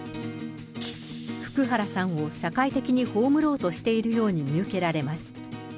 福原さんを社会的に葬ろうとしているように見受けられます。